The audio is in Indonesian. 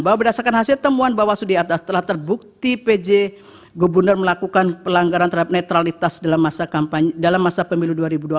bahwa berdasarkan hasil temuan bawaslu di atas telah terbukti pj gubernur melakukan pelanggaran terhadap netralitas dalam masa pemilu dua ribu dua puluh empat